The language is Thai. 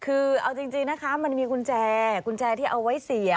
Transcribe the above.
คือเอาจริงนะคะมันมีกุญแจกุญแจที่เอาไว้เสียบ